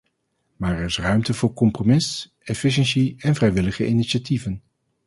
Maar er is ruimte voor compromis, efficiency en vrijwillige initiatieven.